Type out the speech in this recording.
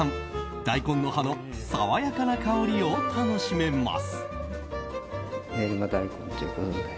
大根の葉の爽やかな香りを楽しめます。